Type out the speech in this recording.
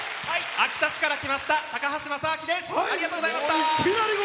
秋田市から来ましたたかはしです。